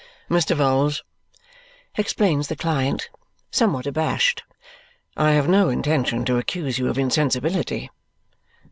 "Mr. Vholes," explains the client, somewhat abashed, "I had no intention to accuse you of insensibility."